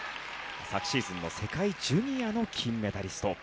昨シーズンの世界ジュニアの金メダリスト。